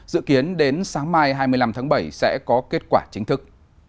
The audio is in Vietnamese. dự kiến đến sáng mai hai mươi năm tháng bảy sẽ có kết quả chính thức